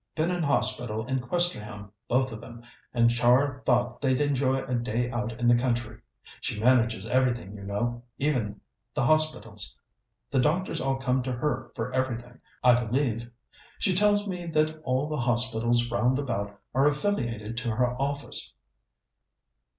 "Been in hospital in Questerham, both of them, and Char thought they'd enjoy a day out in the country. She manages everything, you know even the hospitals. The doctors all come to her for everything, I believe. She tells me that all the hospitals round about are affiliated to her office."